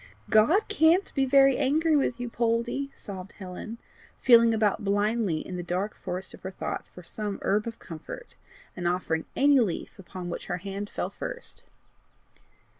"God CAN'T be very angry with you, Poldie," sobbed Helen, feeling about blindly in the dark forest of her thoughts for some herb of comfort, and offering any leaf upon which her hand fell first.